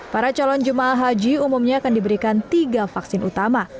para calon jemaah haji umumnya akan diberikan tiga vaksin utama